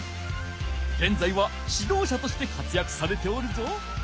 げんざいはしどうしゃとして活やくされておるぞ。